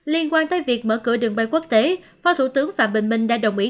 liên quan tới việc mở cửa đường bay quốc tế phó thủ tướng phạm bình minh đã đồng ý